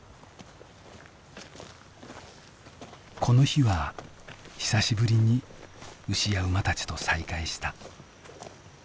この日は久しぶりに牛や馬たちと再会した。